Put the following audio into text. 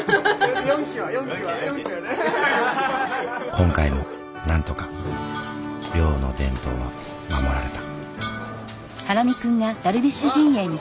今回もなんとか寮の伝統は守られた。